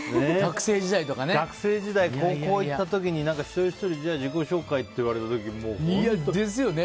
学生時代、高校行った時に一人ひとり自己紹介って言われた時ですよね。